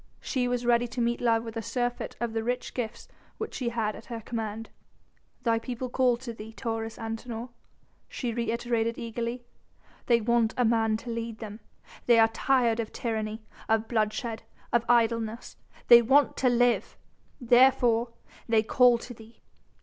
She was ready to meet love with a surfeit of the rich gifts which she had at her command. "The people call to thee, Taurus Antinor," she reiterated eagerly; "they want a man to lead them. They are tired of tyranny, of bloodshed and of idleness. They want to live! Therefore they call to thee.